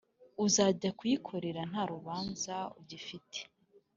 Uzajya kuyikorera ntarubanza ugifite